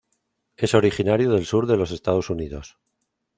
Es originario del sur de los Estados Unidos.